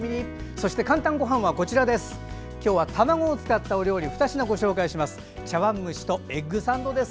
そして「かんたんごはん」は今日は卵を使ったお料理二品ご紹介します。